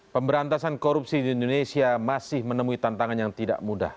pemberantasan korupsi di indonesia masih menemui tantangan yang tidak mudah